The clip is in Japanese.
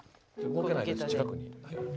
動けないので近くに。